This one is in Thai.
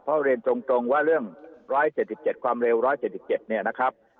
เพราะเรียนตรงว่าเรื่อง๑๗๗ความเร็ว๑๗๗เนี่ยนะครับ